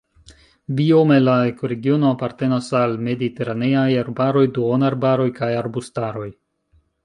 Biome la ekoregiono apartenas al mediteraneaj arbaroj, duonarbaroj kaj arbustaroj.